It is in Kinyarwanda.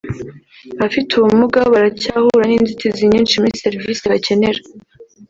Abafite ubumuga baracyahura n’inzitizi nyinshi muri serivisi bakenera